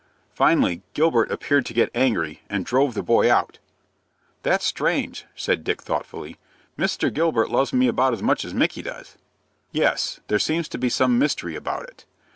Finally, Gilbert appeared to get angry, and drove the boy out." "That's strange!" said Dick, thoughtfully. "Mr. Gilbert loves me about as much as Micky does." "Yes, there seems to be some mystery about it.